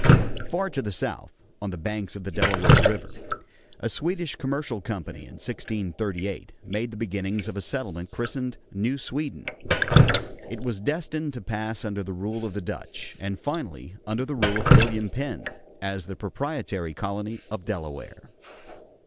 Far to the south, on the banks of the Delaware River, a Swedish commercial company in 1638 made the beginnings of a settlement, christened New Sweden; it was destined to pass under the rule of the Dutch, and finally under the rule of William Penn as the proprietary colony of Delaware.